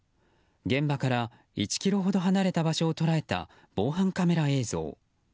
現場から１ｋｍほど離れた場所を捉えた防犯カメラ映像。